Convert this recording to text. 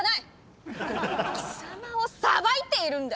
貴様を裁いているんだ！